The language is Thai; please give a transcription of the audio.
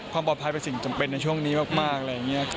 ความปลอดภัยเป็นสิ่งจำเป็นในช่วงนี้มากอะไรอย่างนี้